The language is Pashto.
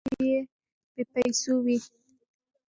• هغه نه غوښتل، چې لاروي یې بېپېسو وي.